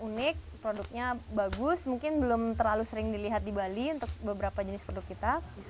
unik produknya bagus mungkin belum terlalu sering dilihat di bali untuk beberapa jenis produk kita